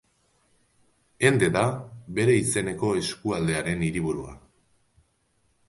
Ende da bere izeneko eskualdearen hiriburua.